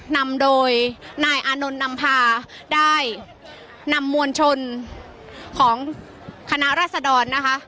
นำโดยนายอานนท์นำพาได้นำมวลชนของคณะรัศดรนะคะ